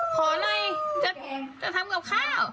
ขอหน่อยจะทำกับข้าว